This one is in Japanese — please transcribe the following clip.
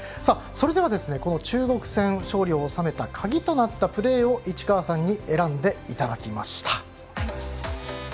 それでは、この中国戦勝利を収めた鍵となったプレーを市川さんに選んでいただきました。